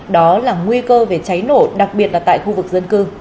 đó là nguy cơ về cháy nổ đặc biệt là tại khu vực dân cư